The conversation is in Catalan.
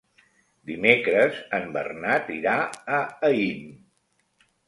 Dimecres en Bernat irà a Aín.